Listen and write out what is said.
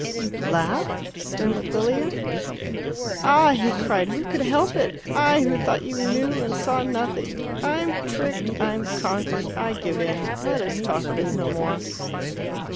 "You laugh?" stammered Lilia. "Ah!" he cried, "who could help it? I, who thought you knew and saw nothing I am tricked I am conquered. I give in. Let us talk of it no more."